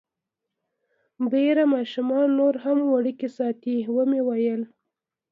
بیر ماشومه نوره هم وړوکې ساتي، ومې ویل.